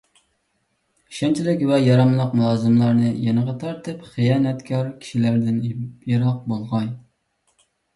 ئىشەنچلىك ۋە ياراملىق مۇلازىملارنى يېنىغا تارتىپ، خىيانەتكار كىشىلەردىن يىراق بولغاي.